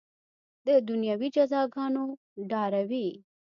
د دنیوي جزاګانو ډاروي.